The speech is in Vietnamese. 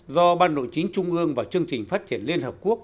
do ban nội chính trung ương và chương trình phát triển liên hợp quốc